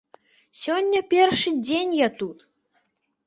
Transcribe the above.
Сёння першы дзень я тут.